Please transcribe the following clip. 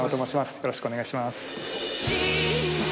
よろしくお願いします。